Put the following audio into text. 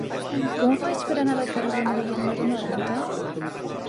Com ho faig per anar al carrer de Melilla número noranta?